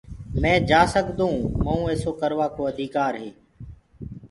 مي جآ سگدونٚ مئونٚ ايسيٚ ڪروآ ڪو اڌيڪآر هي